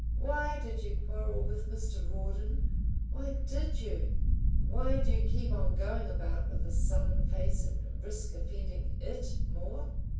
"Why did you quarrel with Mr. Rawdon? Why DID you? Why do you keep on going about with a sullen face and risk offending IT more?"